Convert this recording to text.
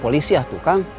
lapor polisi ya tukang